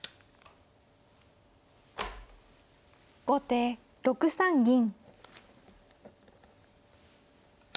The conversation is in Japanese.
後手６三銀。